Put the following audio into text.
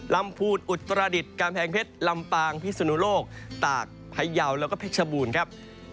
พูนอุตรดิษฐ์กำแพงเพชรลำปางพิสุนุโลกตากพยาวแล้วก็เพชรบูรณ์ครับ